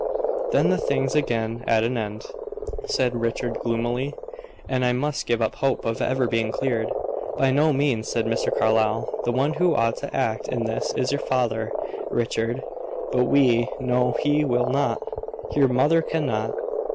"Then the thing's again at an end," said Richard, gloomily, "and I must give up hope of ever being cleared." "By no means," said Mr. Carlyle. "The one who ought to act in this is your father, Richard; but we know he will not. Your mother cannot.